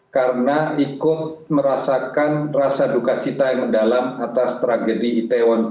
karena ikut merasakan rasa dukacita yang dalam atas tragedi itaewon